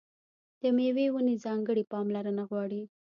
د مېوې ونې ځانګړې پاملرنه غواړي.